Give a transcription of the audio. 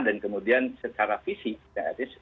dan kemudian secara fisik